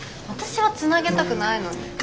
私は繋げたくないのに。